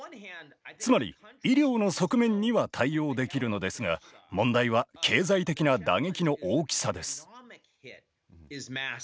つまり医療の側面には対応できるのですが問題は経済的な打撃の大きさです。